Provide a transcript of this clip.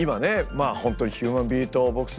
本当にヒューマンビートボックス